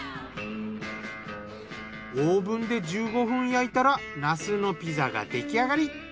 オーブンで１５分焼いたらなすのピザが出来上がり。